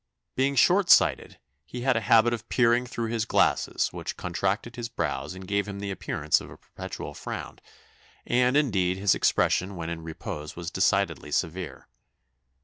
Being short sighted, he had a habit of peering through his glasses which contracted his brows and gave him the appearance of a perpetual frown, and, indeed, his expression when in repose was decidedly severe.